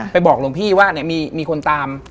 บอกหลวงพี่ว่ามีคนตาม